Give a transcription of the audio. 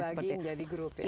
jadi dibagiin jadi grup ya